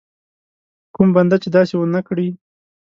کوم بنده چې داسې ونه کړي.